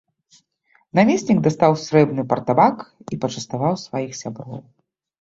Намеснік дастаў срэбны партабак і пачаставаў сваіх сяброў.